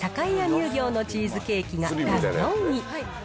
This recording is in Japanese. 乳業のチーズケーキが第４位。